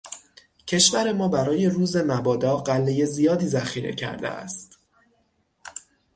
کشور ما برای روز مبادا غلهٔ زیادی ذخیره کرده است.